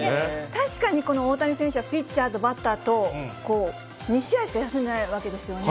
確かに大谷選手はピッチャーとバッターと、２試合しか休んでないわけですよね。